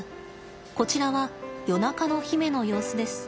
こちらは夜中の媛の様子です。